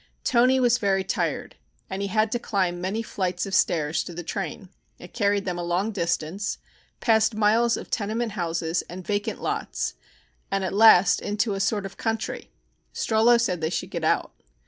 Toni was very tired, and he had to climb many flights of stairs to the train. It carried them a long distance, past miles of tenement houses and vacant lots, and at last into a sort of country. Strollo said they should get out.